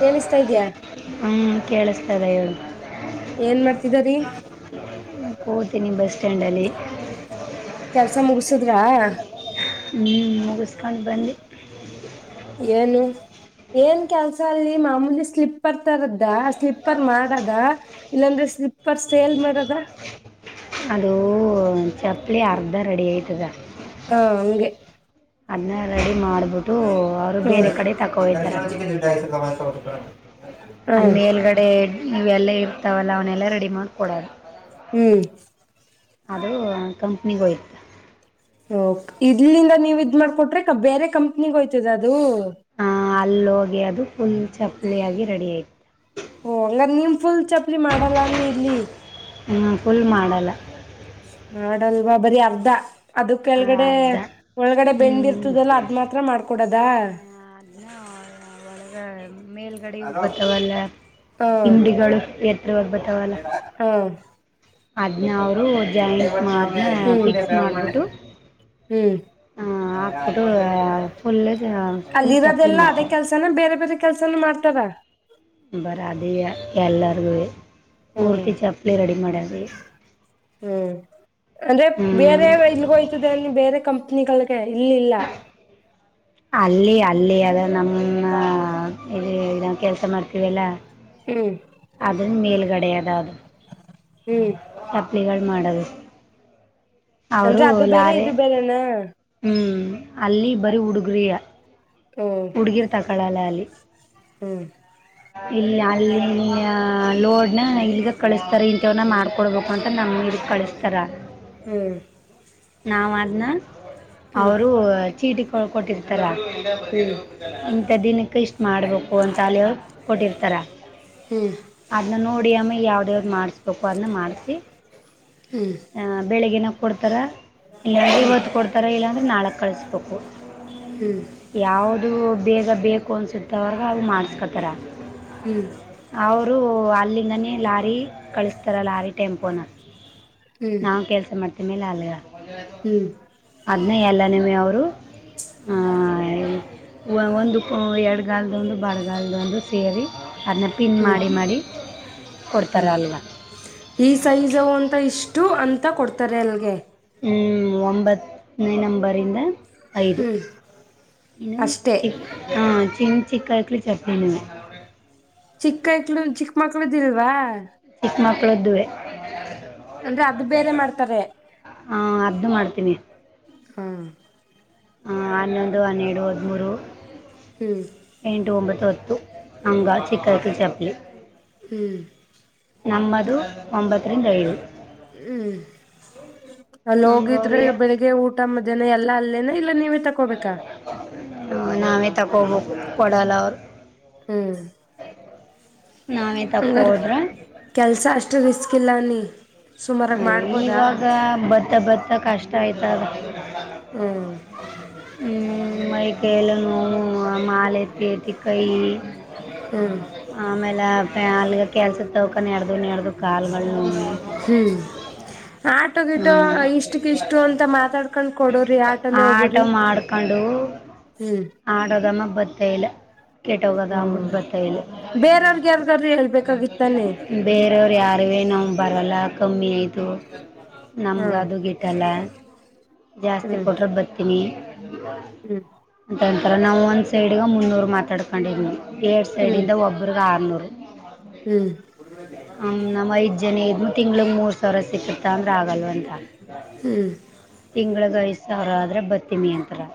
ಕೇಳಿಸ್ತಾ ಇದ್ಯಾ ಹೂ ಕೇಳ್ತದ ಹೇಳು ಏನ್ ಮಾಡ್ತಿದರಿ ಕೋತಿನಿ ಬಸ್ ಸ್ಟ್ಯಾಂಡ್ ಅಲ್ಲಿ ಕೆಲ್ಸ ಮುಗಸುದ್ರಾ ಹೂ ಮುಗಿಸ್ಕೊಂಡು ಬಂದೇ ಏನು ಏನ್ ಕೆಲ್ಸ ಅಲ್ಲಿ ಮಾಮೂಲಿ ಸ್ಲಿಪ್ಪರ್ ತರದ ಸ್ಲಿಪ್ಪರ್ ಮಾಡದ ಇಲ್ಲಾಂದ್ರೆ ಸ್ಲಿಪರ್ ಸೇಲ್ ಮಾರದ ಅದುೂ ಚಪ್ಪಲಿ ಅರ್ಧ ರೆಡಿ ಆಯತದ ಹಾ ಹಂಗ ಅನ್ನೇ ರೆಡಿ ಮಾಡಿಬಿಟ್ಟು ಅವರು ಹ್ಮ್ ಬೇರೆ ಕಡೆ ತಗೊ ಹೋಗ್ತಾರೆ ಅಂದ ಮೇಲ್ಗಡೆ ಇವೆಲ್ಲ ಇರ್ತಾವಲ್ಲ ಅವನೆಲ್ಲಾ ರೆಡಿ ಮಾಡ್ಕೊಡದು ಹೂ ಅದು ಕಂಪ್ನಿಗ ಹೋಯ್ತ್ತುು ಇಲ್ಲಿಂದ ನೀವು ಇದ್ ಮಾಡ್ಕೊಟ್ರೆ ಬೇರೆ ಕಂಪ್ನಿಿಗೆ ಹೋಯ್ತದ ಅದು ಅಲ್ಲೋಗಿ ಅದು ಫುಲ್ ಚಪ್ಪಲಿಯಾಗಿ ರೆಡಿ ಆಯಿತು ಓ ಹಂಗಾರ ನಿಮ್ ಫುಲ್ ಚಪ್ಲಿ ಮಾಡಲ್ಲ ನೀ ಇಲ್ಲಿ ನಾನ್ ಫುಲ್ ಮಾಡಲ್ಲ ಹಾಡಲ್ವಾ ಬರಿೀ ಅರ್ಧ ಅದಕ್ಕೆ ಆ, ಕೆಳಗಡೆ ಅರ್ಧ ಒಳಗಡೆ ಹ್ಞೂ ಬೆಂದ್ಿರ್ತದಲ್ಲ ಅದ ಮಾತ್ರ ಮಾಡ್ಕೊಡದ ಅದನ್ನ ಒಳಗೆ ಮೇಲ್ಗಡ ಹಲೋ ಬತಾವಲ್ಲ ಹಾ ಹಿಂಡಿಗಳು ಎತ್ರವಾಗ ಬತಾವಲ್ಲ ಹೂ ಅದ್ನೇ ಅವ್ರು ಜಾಯಿಂಸ್ ಮಾಡನ್ನ ಫಿಕ್ಸ್ ಮಾಡಿಬಿಟ್ಟು ಹ ಹಾಕಿಬಿಟ್ಟು ಫುಲ್ುಲ್ ಅದೆಲ್ಲಾ ಅದೇ ಕೆಲ್ಸನ ಬೇರೆ ಬೇರೆ ಕೆಲ್ಸನ ಮಾಡ್ತಾರ ಬರಾದಿ ಆ ಎಲ್ಲರ್ಗುವೆ ಹ್ಮ್ ಪೂರ್ತಿ ಚಪ್ಲಿ ರೆಡಿ ಮಾಡಿ ಹ್ಮ್ ಅಂದ್ರೆ ಬೇರೆ ಇಲ್ಗೋಯ್ತದೆ ಅ ಬೇರೆ ಕಂಪ್ನಿಗಳಗೆ ಇಲ್ಲಿಲ್ಲ ಅಲ್ಲಿ ಅಲ್ಲಿ ಅದ ನಮ್ಮ ಇಲ್ಲಿ ಕೆಲ್ಸ ಮಾಡ್ತವಿ ಅಲ್ಲ ಹ್ಮ್ ಅದನ್ನ ಮೇಲ್ಗಡೆಯದ ಅದು ಹ್ಮ್ ಹಗಳು ಮಾಡದು ಅವರು ಅಂದ್ರೆ ಅದು ಬೇರೆ ಲಾರಿ ಇದು ಬೇರೆನಾ ಹೂ ಅಲ್ಲಿ ಬರಿೀ ಹುಡುಗ್ರಯ ಹ್ಮ್ ಹುಡ್ಲೀರ್ ತಕಳಾಲ ಅಲ್ಲಿ ಹ್ಮ್ ಇಲ್ಲಿ ಅಲ್ಲಿ ಲೋಡ್ನ ಇಲ್ಗ ಕಳಿಸತಾರೆ ಇಂಥವ್ನ್ನ ಮಾಡ್ಕೊಡ್ಬೇಕು ಅಂತ ನಮ ಕಳಿಸ್ತಾರ ಹೂ ನಾವು ಅದ್ನ ಅವ್ರು ಚೀಟಿ ಕೊಳ್ಕೊಟ್ಟಿರ್ತಾರ ಹ್ಮ್ ಇಂಥ ದಿನಕ್ಕೆ ಇಷ್ಟು ಮಾಡ್ಬೇಕು ಅಂತ ಅಲ್ಲಿ ಅವ್ರು ಕೊಟ್ಟಿರ್ತಾರ ಹ್ಮ್ ಅದ್ನ ನೋಡಿ ಅಮ್ಮ ಯಾವ್ದ ಯಾವ್ದ ಮಾಡಸ್ಬೇಕು ಅದನ್ನ ಮಾಡ್ಸಿ ಹ್ಮ್ ಹ ಬೆಳಿಗ್ನ ಕೊಡ್ತಾರ ಇಲ್ಲ ನ ಇವತ್ತು ಕೊಡ್ತಾರ ಇಲ್ಲಾ ಅಂದ್ರೆ ನಾಳೆ ಕಳಸ್ಬೇಕು ಹ್ಮ್ ಯಾವ್ದು ಬೇಗ ಬೇಕು ಅನ್ಸುತ್ತವರ್ ಅವು ಮಾಡ್ಸ್ಕ ರ ಹ್ಮ್ ಅವ್ರು ಅಲ್ಲಿಂದನೇ ಲಾರಿ ಕಳಿಸ್ತಾರ ಲಾರಿ ಟೆಂಪೋನ ಹ್ಮ್ ನಾವ ಕೆಲ್ಸ ಮಾಡ್ತವಿ ಮೇಲೆ ಅಲ್ ಹ್ಮ್ ಅಲ್ಲಿ ಎಲ್ಲ ಅವರು ಒಂದು ಕೂ ಎರಡು ಕೂ ಗಾಲ್ದೊಂದು ಬಳಗಾಲ್ದೊಂದು ಸೇರಿ ಅದನ್ನ ಪಿನ್ ಹ್ಮ್ ಮಾಡಿ ಮಾಡಿ ಕೊಡ್ತರಾ ಅಲ್ವಾ ಈ ಸೈಜವು ಅಂತ ಇಷ್ಟು ಅಂತ ಕೊಡ್ತಾರೆ ಅಲ್ಲಿಗೆ ಹ್ಮ ಒಂಬತ್ತನೇ ನಂಬರಿಂದ ಐದು ಹ್ಮ್ ಇನ್ನು ಅಷ್ಟೇ ಚಿ ಹ ಚಿ ಚಿಕ್ಕಕಲಿ ಚಟ್ನಿನ್ನು ಚಿಕ್ಕಕ್ಳ ಚಿಕ್ಕ ಮಕ್ಳ್ದಿಲ್ವಾ ಚಿಕ್ಕ ಮಕ್ಕಳದುವೆ ಅಂದ್ರೆ ಅದು ಬೇರೆ ಮಾಡ್ತಾರೆ ಹಾ ಅರ್ದು ಮಾಡ್ತೀನಿ ಹ್ಮ ಹ ಹನ್ನೊಂದು ಹನ್ನೆರಡು ಹದ್ಮೂರು ಎಂಟು ಒಂಬತ್ತು ಹಂಗ ಚಿಕ್ಕಾಯಕ ಚಪ್ಲಿ ಹ್ಮ್ ನಂಬದು ಒಂಬತ್ತರಿಂದ ಏಳು ಹ್ಮ್ ಅಲ್ಲಿ ಹೋಗಿದ್ರೆ ಬೆಳಿಗ್ಗೆ ಊಟ ಮಧ್ಯಾಹನ ಎಲ್ಲಾ ಅಲ್ಲೇನ ಇಲ್ಲ ನೀವೇ ತಕೋಬೇಕಾ ನಾವೇ ತಗೊಬೋ ಕೊಡಲ್ಲ ಅವ್ರು ಅಂಗರ್ ಕೆಲಸ ಅಷ್ಟು ರಿಸಿಸಕ ಇಲ್ಲ ನೀ ಇವಾಗ ಭತ್ತ ಬತ್ತ ಕಷ್ಟ ಆಯ್ತದ ಹ್ಮ್ ಕೇೇಳ ನೋವು ಮಾಲೆೆ ಟ ಕೈ ಹ್ಮ್ ಆಮೇಲೆಲ್ಗ ಕೆಲ್ಸ ಪಪ್ಪನ್ನ ಎರಡು ನೆರದು ಕಾಲುಗಳೆ ಆಟ ಗಿಟೋ ಇಷ್ಟಕ್ಕ ಇಷ್ಟು ಅಂತ ಮಾತಾಡ್ಕೊಂಡ್ ಕೊಡೋದು ಆಟೋ ಮಾಡ್ಕೊಂಡು ಹ್ಮ್ ಆಟೋದಮ್ಮ ಬತ್ತ ಇಲ್ಲ ಕೆೇಟ್ಟೋಗದ ಅಬಿಟ್ಟ ಹ್ಮ್ ಬರ್ತ ಇಲ್ಲಿ ಬೇರೆಯವ್ರಗ್ ಯಾರ್ಗಾರು ಹೇಳ್ಬೇಕಾಗಿತ್ತಾನೆ ಬೇರವರು ಯಾರೇ ನಾವ ಬರಲ್ಲ ಕಮ್ಮಿ ಆಯ್ತು ಹಾ ನಮ್ಗ ಅದು ಗ ಇಟ್ಟಲ್ಲ ಜಾಸ್ತಿ ಹ್ಮ್ ಕೊಟ್ರ ಬರ್ತ ಹ್ಮ್ ಅಂತೊಂತರ ನಾವು ಒಂದ್ ಸೈಡ್ಗ ಮುನ್ನೂರು ಮಾತಾಡ್ಕೊಂಡಿದ್ನವು ಎಏಡ್ ಹ್ಮ್ ಸೈಡಿಂದ ಒಬ್ಬ್ರಗ ಆರ್ನೂರು ಹ್ಮ್ ಹ ನಮ್ಮೈಜ್ಜನ ತಿಂಗಳಗ್ ಮೂರ್ ಸಾವಿರ ಸಿಕ್ಕತಂದ್ರ ಆಗಲ್ವ ಅಂತ ಹ್ಮ್ ತಿಂಳಿಗೆ ಐ ಸಾವಿರ ಆದ್ರೆ ಬತ್ತಿ ನಿಯಂತ್ರತ್ರ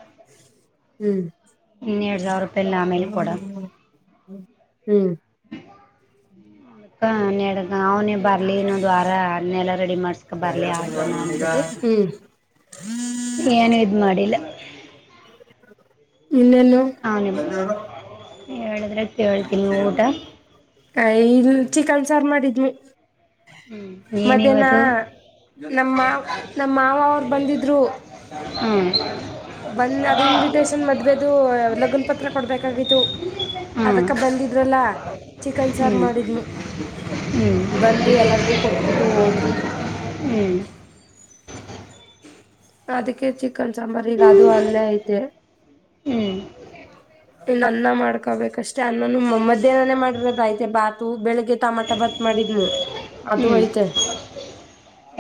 ಇನ್ನೆರಡ್ ಸಾವಿರ ರೂಪಾಯಿಲ್ಲಿ ಆಮೇಲೆ ಕೊಡ ಹ್ಮ್ ಹಪಾನ್ ಅವನೇ ಬರ್ಲಿ ಇನ್ನೊ ದ್ ವಾರ ಅನ್ನೆಲ್ಲ ರೆಡಿ ಮಾಡ್ಸ್ಕೊ ಬರ್ಲಿ ಆಟೋನ ಅಂದಬಿಟ್ಟು ಹ್ಮ್ ಏನು ಇದ್ ಮಾಡಿಲ್ಲ ಇನ್ನನ್ನು ಏಳಿದ್ರೆ ಕಳ್ ತಿ ನಟ ಇನ್ ಚಿಕನ್ ಸಾರ ಮಾಡಿದ್ ಹ್ಞೂ ಮಧ್ಯಾಹ್ನ ಏನಿವತ್ತು ನಮ್ಮ ನಮ್ಮ ಮಾವ ಅವರು ಬಂದಿದ್ರು ಹ್ಮ್ ಬಂದ ಅದ ಇನ್ವಿಟೇಶನ್ ಮದ್ವೆೇದು ಲಗನ್ ಪತ್ರ ಕೊಡ್ಬೇಕಾಗಿತ್ತು ಹ್ಞೂ ಅದಕ್ಕೆ ಬಂದಿದ್ರಲ್ಲ ಚಿಕನ್ ಸಾರು ಹ್ಞೂ ಮಾಡಿದ್ನು ಹ್ಞೂ ಬಂದು ಎಲ್ಲರಿಗೂ ಕೊಟ್ಬಿಟ್ಟು ಹೋದ್ರು ಹ್ಮ್ ಅದಕ್ಕೆ ಚಿ ಚಿಕ್ಕನ್ ಸಾಂಬಾರಗ ಅದು ಅಲ್ಲೇ ಐತೆ ಹ್ಞೂ ಇನ್ನು ಅನ್ನ ಮಾಡ್ಕೊಬೇಕ ಅಷ್ಟೇ ಅನ್ನಾನ ಮಧ್ಯಾಹ್ನನೆ ಮಾಡಿರೋದ ಆಯ್ತೆ ಬಾತು ಬೆಳಗ್ ಟಮಟ ಭಾತ್ ಮಾಡಿ ಹ್ಞೂ ಅದು ಅಯ್ತೆ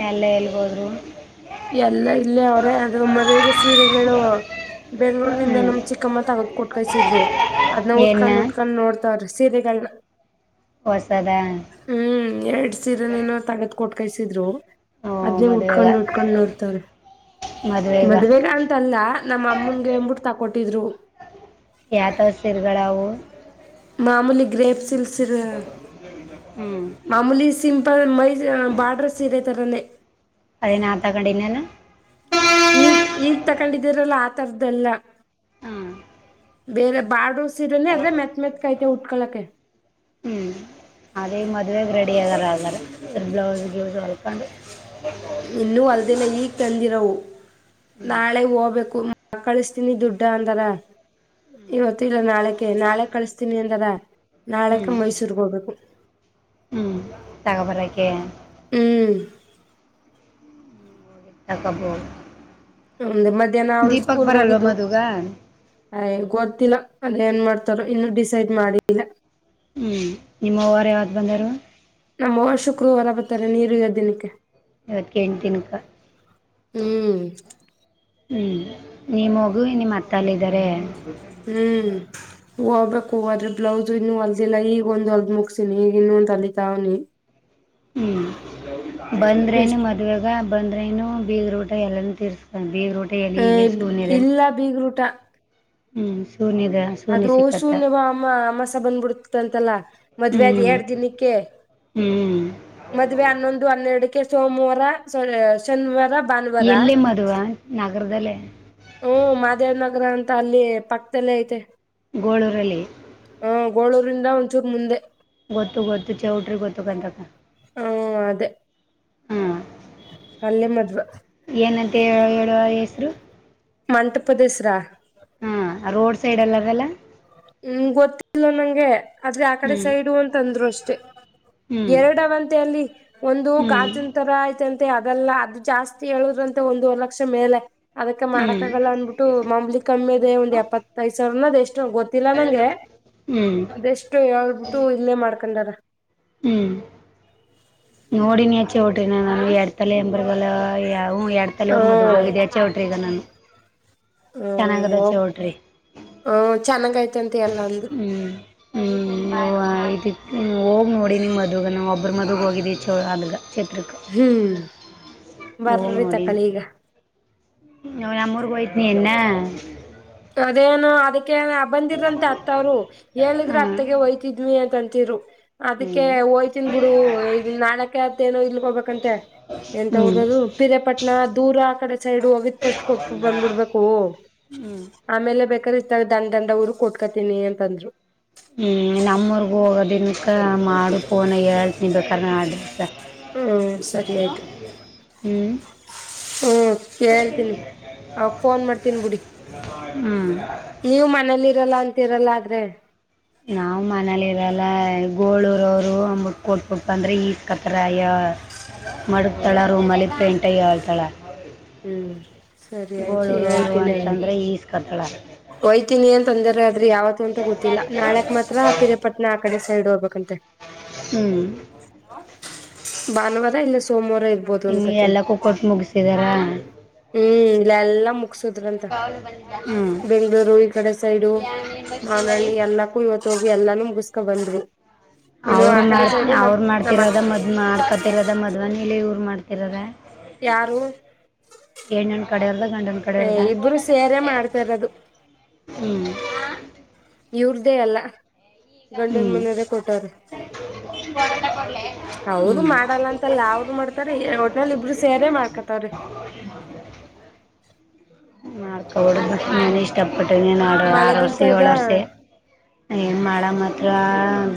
ಎಲ್ಲ ಎಲ್ಲಿ ಹೋದ್ರು ಎಲ್ಲ ಇಲ್ಲ ಅವ್ರೇ ಅದು ಮದ್ವೆಗೆ ಸೀರೆಗಳು ಹ್ಞೂ ಬೆಂಗಳೂರಿನಿಂದ ನಮ್ ಚಿಕ್ಕಮ್ಮ ತಗದ ಕುಟ್ ಕಸಿದ್ರು ಅದನ್ನ ಏನ ಉಟ್ಕೊಂಡ್ ಉಟ್ಕೊಂಡ್ ನೋಡ್ತಾರ್ರೀ ಸೀರೆಗಳನ್ನ ಹೊಸದ ಹ್ಮ್ ಎರಡ್ ಸೀರೆ ನೀನು ತಗದ ಕೊಟ್ ಕೈಸಿದ್ರು ಓ ಅದ್ನೇ ಮದುವೆಗ ಉಟ್ಕೊಂಡು ಉಟ್ಕೊಂಡು ನೋಡ್ತವ್ರಿ [inaudible] ಮದುವೆಗ ಮದ್ವೆಗ ಅಂತಲ್ಲಾ ನಮ್ಮ ಅಮ್ಮಂಗೆ ಅಂಬಿಟ್ಟು ತಾಕ [unintelligible] ಯಾವಥಾವ ಸೀರುಗಳವು ಮಾಮೂಲಿ ಗ್ರೇಪ್ ಸಿಲ್ ಸರೆ ಹ್ಞೂ ಮಾಮೂಲಿ ಸಿಂಪಲ್ ಮೈ ಬಾರ್ಡ್ರ ಸೀರೆ ತರನೆ ಅದೇ ತಗಂಡಿನಿ ಅಲ್ಲಾ ಈಗ್ ಈಗ್ ತಕೊಂಡಿದೀರಲ್ಲ ಆ ತರದ್ದಲ್ಲ ಹಾ ಬೇರೆ ಬಾಡ ಸೀರನೇ ಅದ್ರೆ ಮೆತ್ ಮೆತ್ ಅಯ್ತೆ ಉಟ್ಕಳಕ್ಕೆ ಹ್ಞೂ ಅದೇ ಈ ಮದುವೆೆಗೆ ರೆಡಿ ಆಗಾರ ಆಗಾರ ಬ್ಲೌಸ್ ಗ್ಲಿಸು ಹೊಲ್ಕೊಂಡು ಇನ್ನು ಹೊಳ್ದಿಲ್ಲ ಈಗ ತಂದಿರವು ಹ್ಞೂ ನಾಳೆ ಹೋಗ್ಬೇಕು ಕಳಿಸತೀನಿ ದುಡ್ಡ ಅಂದಾರ ಇವತ್ತು ಇಲ್ಲ ನಾಳಕ ನಾಳೆ ಕಳಿಸತೀನಿ ಅಂದಾರ ನಾಳಕ ಮೈಸೂರ್ಗ್ ಹೋಗ್ಬೇಕು ಹ್ಮ್ ತಗೋಬಾರ ಹ್ಮ್ [unintelligible] ಮಧ್ಯಾಹ್ನ ಅವಳು ದೀಪಕ್ ಸ್ಕೂಲ್ಗೆ ಬರಲ್ವ ಹೋಗಿದ್ದು ಮದುಗ ಐಯ್ ಗೊತ್ತಿಲ್ಲ ಅದ ಏನ್ ಮಾಡ್ತಾರೋ ಇನ್ನುೂ ಡಿಸೈಡ್ ಮಾಡಿಲ್ಲ ಹ್ಮ್ ನಿಮ್ಮ್ ಅವ್ವರು ಯಾವತ್ತೂ ಬಂದರು ನಮ್ಮ್ ಅವ್ವ ಶುಕ್ರವಾರ ಬರ್ತಾರೆ ನೀರು ಉಯೋ ದಿನಕ್ಕೆ ಇವತ್ತ ಎಂಟು ದಿನಕ ಹ್ಮ್ ಹ್ಮ್ ನೀ ಮಗು ನಿಮ್ಮತ್ತಲ್ಲ ಇದಿದಾರೆ ಹ್ಮ್ ಹೋಗ್ಬೇಕು ಹೋದ್ರೆ ಬ್ಲೌಸ್ ಇನ್ನು ಹೋಳಿದಿಲ್ಲ ಈಗ ಒಂದು ಹೊಳ್ದು ಮುಗಸಿನಿ ಈಗ ಇನ್ನು ಒಂದ್ ಹೊಳಿತಾವ್ನಿ ಹ್ಮ್ ಬಂದ್ರೇನು ಎಷ್ಟ್ ಮದ್ವೆಗ ಬಂದ್ರೆನು ಬೀಗಾರ ಊಟ ಎಲ್ಲಾನ ತರ್ಸ್ಕು ಬೀಗರ ಊಟ ಆ, ಈಗೆಲ್ಲಿ [inaudible] ಸುಮ್ನಿರೇ ಇಲ್ಲ ಬೀಗ್ರೂಟ ಅದು ಶೂನ್ಯವ ಅಮ್ಮ ಅಮಾವಾಸ್ಯ ಬಂದ್ಬಿಡ್ತ ಅಂತಲ್ಲಾ ಮದ್ವೆ ಅದ್ ಹ್ಮ್ ಎರಡ್ ದಿನಕ್ಕೆ ಹ್ಮ್ [inaudible] ಮದ್ವೆ ಹನ್ನೊಂದು ಹನ್ನೆರಡಕ್ಕೆ ಸೋಮವಾರ ಶನಿವಾರ ಭಾನುವಾರ ಎಲ್ಲಿ ಮದ್ವ ನಾಗ ಹ್ಮ್ ಮಾದೇವ್ ನಗರ ಅಂತ ಅಲ್ಲಿ ಪಕ್ಕದಲ್ಲೇ ಐತೆ ಗೋಳರಲ್ಲಿ ರಿಂದ ಒಂಚೂರ್ ಮುಂದೆ ಗೊತ್ತು ಗೊತ್ತು ಚೌಟ್ರಿ ಗೊತ್ತುಕನ ತಕ್ಕ ಹ್ಮ ಅದೇ ಅಲ್ಲೇ ಮದ್ವ ಏನಂತೆ ಹೇಳ ಹೇಳುವ ಹೆಸ್ರು ಮಂಟಪದ ಹೆಸ್ರ ಆ ರೋಡ್ ಸೈಡ್ ಅಲ್ಲಿ ಅದಲ್ಲ ಇಲ್ಲ ನಂಗೆ ಆದ್ರೆ ಆ ಕಡೆ ಹ್ಮ್ ಸೈಡು ಅಂತ ಅಂದ್ರು ಅಷ್ಟೇ ಹ್ಮ್ ಎರಡವಂತ ಅಲ್ಲಿ ಒಂದು ಹ್ಮ್ ಗಾಜನಂತರ ಆಯ್ತ ಮ ಅದೆಲ್ಲ ಅದು ಜಾಸ್ತಿ ಹೇಳುದ್ರಂತೆ ಒಂದು ವರೆ ಲಕ್ಷ ಮೇಲೆ ಅದಕ್ಕೆ ಮಾಡಕ ಆಗಲ್ಲ ಹ್ಮ್ ಅಂದ್ಬಿಟ್ಟು ಮಾಂಬ್ಲಿ ಕಮ್ಮಿ ಅದೆ ಒಂದ್ ಎಪ್ಪತ್ತೈದ್ ಸಾವರನದ್ ಎಷ್ಟ್ ಗೊತ್ತಿಲ್ಲ ನಂಗೆ ಹ್ಮ್ ಅದೆಷ್ಟು ು ಇಲ್ಲೇ ಮಾಡ್ಕೊಂಡಾರ ನೋಡಿ ನೀ ಚೌಟ್ರೆನ ನಮಗೆ ಎಡ್ ತಲೆ ಎಂಬರ್ಲ್ಲ ಯಾವ ಹ್ ಎರಡು ತಲವ್ರರು ಮದುವೆಗೆ ಹ್ಮ ಹೋಗಿದೆ ಚೌಟ್ರೆಗ ನಾನು ಚೆನ್ನಾಗದ ಹ್ಮ ಚೌಟ್ರಿ ಹ ಚೆನ್ನಾಗಐತೆಂತ ಎಲ್ಲ ಅಂದ್ರು ಹ್ಮ್ ಹ್ಮ್ ಹೋಗ್ ನೋಡಿ ನಿಮ್ ಮದುಗ ಒಬ್ಬ್ರ ಮದುಗ ಹೋಗಿದಿ ಚ ಅಲ್ಲಿಗ ಹ್ಮ್ ಬರ್ರ ತಕಳಿ ಈಗ ಅವ ನಮ್ಮೂರು ಬಯಟ್ನಿನ್ನ ಅದೇನು ಅದಕ್ಕೆ ಬಂದಿದರಂತೆ ಅತ್ತ ಅವ್ರು ಹೇಳಿದ್ರೆ ಹ್ಮ್ ಅತ್ತಗೆ ಹಯ್ತಿದ್ವಿ ಅಂತಂತ ಹ ತಿರು ಅದಕ್ಕೆ ಹ್ಮ್ ಹೋಯ್ತನ್ ಬಿಡು ಈ ನಾಳಕ ಅತ್ ಏನೋ ಇಲ್ ಹೋಗಬೇಕಂತೆ ಎಂತ ಹ್ಮ್ ಅವರದು ಪಿರಿಯಾಪಟ್ಣ ದೂರ ಆ ಕಡೆ ಸೈಡು ಅವಗತ್ ಸ್ಟ್ ಕೊಟ್ಟು ಬಂದ್ಬಿಡ್ಬೇಕು ಹ್ಮ ಬೇಕಾದ್ರ ಇಷ್ಟ ದಂಡ ದಂಡ ಊರು ಕೊಟ್ಕೋತಿನಿ ಅಂತಂದ್ರು ಹ್ಮ್ ನಮ್ಮೂರ್ಗ ಹೋಗೋದನ್ಕ ಮಾಡು ಫೋನ ಹೇಳ್ತನ ಬೇಕಾದ ಮಾಡ್ರಿಸ ಹ್ಮ ಸರಿ ಆಯ್ತು ಹ್ಮ್ ಹ್ಮ ಕೇಳ್ತೀನಿ ಅವ ಫೋನ್ ಮಾಡ್ತೀನ್ಿ ಬಿಡಿ ನೀವು ಮನೇಲಿ ಹ್ಮ್ ಇರಲ್ಲ ಅಂತಿರಲ್ಲ ಆದ್ರೆ ನಾವು ಮನೇಲಿ ಇರಲ್ಲ ಗೋಳೂರವರು ಅಂದ್ರ ಕೊಟ್ಬೇಕ ಅಂದ್ರೆ ಈಸ್ ಕತ್ತರ ಮಡಗ್ತಾಳ ಹ್ಮ್ ರೂಮಲ್ಲಿ ಪೇಂಟಾಗಿ ಹೇಳ್ತಾಳ ಹ್ಮ್ ಸರಿ ಆಯ್ತು ಗೋಳೂರುೋರು ಹೇಳ್ತೀನಿ ಹಂಗೆ ಅಂತಂದ್ರೆ ಈಸ್ ಕತ್ತಳ ತೊಂದರೆ ಆದ್ರೆ ಯಾವತ್ತು ಅಂತ ಗೊತ್ತಿಲ್ಲ ನಾಳಕ್ ಮಾತ್ರ ಪಿರಿಯಾಪಟ್ಣಆ ಕಡೆ ಸೈಡ್ ಹೋಗ್ಬೇಕಂತ ಹ್ಮ್ ಭಾನುವಾರ ಇಲ್ಲ ಸೋಮವಾರ ಇರ್ಬೋದು ಇಲ್ಲಿ ಅನ್ಕತೀನಿ ಎಲ್ಲಕ್ಕೂ ಕೊಟ್ಟು ಮುಗಿಸಿದ್ದಾರೆ ಹ್ಮ್ ಇಲ್ಲಲ್ಲ ಮುಗಸುದ್ರಂತ ಹ್ಮ್ ಬೆಂಗಗಳೂರು ಈ ಕಡೆ ಸೈಡು ಮಾನಹಳ್ಳಿ ಎಲ್ಲಕ್ಕೂ ಇವತ್ತು ಹೋಗಿ ಎಲ್ಲಾನು ಮುಗಿಸ್ಕ ಬಂದ್ರು ಇನ್ನು ಆ ಅವರು ಕಡೆ ಮಾಡ್ ಸೈಡು ನಮ್ ಅವ್ರು ನಮ್ಮ ಮಾಡ್ತಿರೋದ ಮದ್ ಮಾಡ್ಕತಿರೋದ ಮದ್ವನಲಿ ಇವರು ಮಾಡ್ತಿರದ ಯಾರು ಎಣ್ಣನ ಕಡೆವರ್ದ ಗಂಡನ ಕಡೆವರ್ದ ಇಬ್ರು ಸೇರೆ ಮಾಡ್ತಾ ಇರೋದು ಹ್ಮ್ ಇವ್ರ್ದೇ ಅಲ್ಲ ಗಂಡನ್ ಹ್ಮ್ ಮನೆ ಅವರೇ ಕೊಟ್ಟವ್ರ ಹ್ಮ್ ಮಾಡಲ್ಲ ಅಂತಲ್ಲ ಅವ್ರು ಮಾಡ್ತಾರೆ ಒಟ್ನಲ್ಲಿ ಇಬ್ರು ಹ ಸೇರೆ ಮಾಡ್ಕತವ್ರೆ ಹಾಗೆ ಮಾಡ್ಕೊ ನಾನ್ ಇಷ್ಟ ಕೊಟ್ಟ ನೋಡ್ರ ಮಳೆ ಆರ್ ವರ್ಷ ಬೀಳ್ತಾ ಏಳ ವರ್ಷ ಇದ್ದ ಏನ್ ಮಾಡ ಹತ್ರ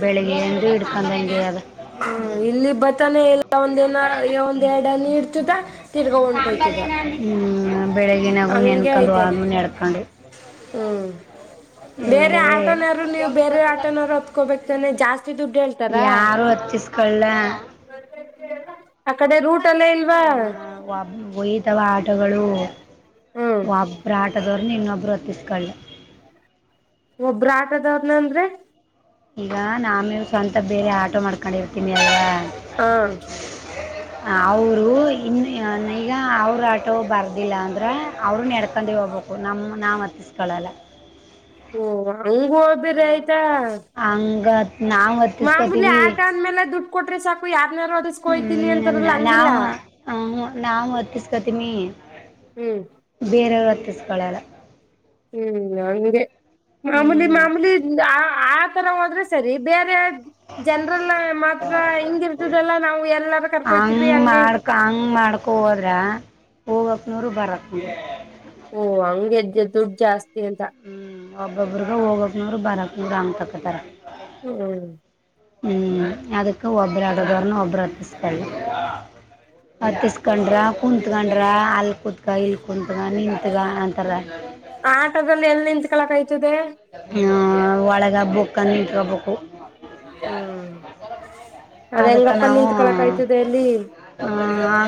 ಬೆಳಿಗ್ಗೆ ಅಂದ ಹಿಡ್ಕೊಂಡಂಗೆ ಅದ ಹ್ಮ ಇಲ್ಲಿ ಬತನ ಎಲ್ಲ ಒಂದ ನ ಒಂದ್ೆರಡ ಹಾನಿ ಇಡ್ತದ ತಿರ್ಗಾ ಹೊಂಟೋಯ್ತದ ಹ್ಮ್ ಬೆಳಿಗಿನಾಗು ಹಂಗೆ ನೆನ್ಕೊಂಡು ಆಯ್ತದ ಓದು ನೆಡ್ಕೊಂಡು ಹ್ಮ್ ಬೇರೆ ಇಲ್ಲವೇ ಆಟೋನವರು ನೀವು ಬೇರೆ ಆಟೋನವ್ರು ಹತ್ಕೋಬೇಕಕ್ತಾನೆ ಜಾಸ್ತಿ ದುಡ್ಡು ಹೇಳ್ತಾರ ಹತ್ತಿಸ್ಕಳ್ಳಾ ಅ ಕಡೆ ರೂಟ್ ಅಲ್ಲೇ ಇಲ್ವಾ ಹೋಯ್ತವಾ ಆಟಗಳು ಹ್ಮ್ ಒಬ್ಬರ ಆಟದವರುನ್ನ ಇನ್ನೊಬ್ಬರು ಹೊತ್ತಿಸಕೊಳ್ಳು ಒಬ್ರ ಆಟದವನ ಅಂದ್ರೆ ಈಗ ನ ಆಮೇಲೆ ಸ್ವಂತ ಬೇರೆ ಆಟೋ ಮಾಡ್ಕೊಂಡಿರ್ತೀನಿ ಅಲ್ ಹಾ ಅವರು ಇನ್ನು ಈಗ ಅವ್ರ ಆಟೋ ಬರ್ದಿಲ್ಲ ಅಂದ್ರ ಅವರು ನಡ್ಕೊಂಡ ಹೋಗ ನಮ್ಮ ನಾವು ಹತ್ತಿಸ್ಕೊಳ್ಳಲ್ಲ. ಓ ಹಂಗಬೇರೆ ಅಂಗ ಮಾಮೂಲಿ ಆಟ ಅದ ಮೇಲೆ ದುಡ್ಡು ಕೊಟ್ರೆ ಸಾಕು ಯ ಹ್ಮ್ ನಾವ್ ನಾವು ಹತ್ತಸ್ಕತಿಮಿ ಹ್ಮ್ ಬೇರೆಯವ್ರರು ಹತ್ತಿಸಕೊಳಲ್ಲ. ಹ್ಮ್ ಹಂಗೆ ಮಾಮೂಲಿ ಹ್ಮ್ ಮಾಮೂಲಿ ಆ ಹೋದ್ರೆ ಸರಿ ಬೇರೆ ಜನ್ರಲ್ಲ ಮಾತ್ರ ಹಿಂಗ ಇರ್ತದೆಲ್ಲಾ ನಾವು ಎಲ್ಲಾರ ಕರ್ಕೊತೀವಿ ಹಂಗೆ ಮಾಡ್ಕೋ ಹೋದ್ರ ಹೋಗಕ್ನೂರು ಬರತ್ ನೂರು ಓ ಹಂಗಗೆದ್ದ ದುಡ್ ಜಾಸ್ತಿ ಅಂತ ಒಬ್ಬೊಬ್ಬ್ರಗ ಹೋಗೋಕ ನೂರ್ ಬರಕ್ ನೂರ್ ಹಂಗ್ ತೊಕತಾರೆ ಹ್ಮ್ ಹ್ಮ್ ಅದಕ್ಕೆ ಒಬ್ಬರ ಅಡ ಬರಣ ಒಬ್ಬರ ಹತ್ತಸತೀವಿ ಹತ್ತಿಸಕೊಂಡ್ರ ಕುೂತ್ಕೊಂಡ್ರ ಅಲ್ ಕುೂತ್ಕ ಇಲ್ ಕುೂತ್ಗ ನಿತ್ಗ ಅಂತಾಲ ಆಟದಲ್ಲಿ ಎಲ್ ನಿಂತ್ ಕಳಕ ಆಯ್ತದೆ. ಒಳಗ ಬುಕ್ ನಿಂತಕಬೇಕು ಹ್ಮ್ ಅದ ಅದಕ್ಕೆ ಹೆಂಗಪ್ಪ ನಿತ್ ಕಳಕ್ ಆಯ್ತದೆ ಅಲ್ಲಿ.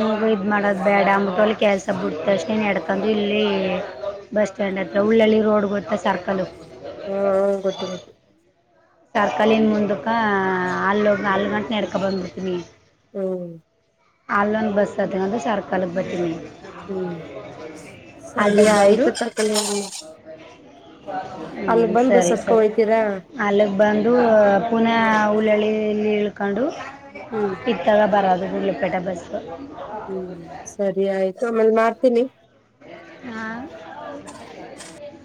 ಹಂಗ ಇದು ಮಾಡೋದು ಬೇಡ ಅಂದ್ಬಿಟ್ಟು ಅಲ್ಲಿ ಕೆಲಸ ಬಿಟ್ಟತಕ್ಷ ನು ನಡ್ತಂದರು ಇಲ್ಲಿ ಬ ಬಸ್ ಸ್ಟ್ಯಾಂಡ್ ಹತ್ರ ಉಳ್ಳಳಿ ರೋಡ್ ಗೊತ್ತ ಸರ್ಕಲ್ ಹ ಹ ಗೊತ್ತು ಗೊತ್ತು. ತರಕಲಿನ ಮುಂದಕ ಹಲ್ಲ ಹೋಗಿ ಹಲ್ ಗಂಟೆ ನಡ್ಕ ಬಂದ್ಬಿಡ್ತೀನಿ ಹ್ಮ್ ಅಲ್ಲೊಂದು ಬಸ್ ಅದೇ ಸರ್ಕಲ ಬರ್ತೀನಿ ಹ್ಮ್ ಅದು ಅಲ್ಲಿಗೆ ಬಂದು ಆಯತ ಸರ್ಕಲ್ ಹ್ಮ್ ಸರಿ ಸರಿ ಹೋಯ್ತೀರಾ ಅಲ್ಲಿ ಪುನ ಹುಳ್ಳಳ್ಳಿಲ್ಲಿ ಇಳ್ಕೊಂಡು ಹ್ಮ್ ಇತ್ತಾಗ ಬರದು ಊರುಲಿಪೆಟ್ ಬಸ್ ಹ್ಮ್ ಸರಿ ಆಯ್ತು ಆಮೇಲ್ ಮಾಡ್ತೀನಿ. ಹಾ